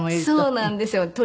そうなんですよ。